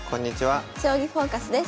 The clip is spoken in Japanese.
「将棋フォーカス」です。